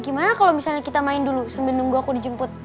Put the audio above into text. gimana kalau misalnya kita main dulu sambil nunggu aku dijemput